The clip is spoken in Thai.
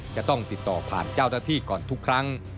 จะต้องติดต่อผ่านเจ้าหน้าที่ก่อนทุกครั้ง